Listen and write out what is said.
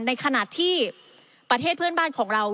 ในขณะที่ประเทศเพื่อนบ้านของเรา